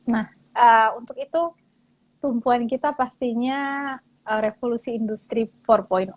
nah untuk itu tumpuan kita pastinya revolusi industri empat